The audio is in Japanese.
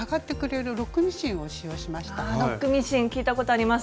ロックミシン聞いたことあります。